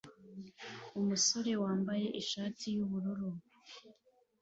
Umusore wambaye ishati yubururu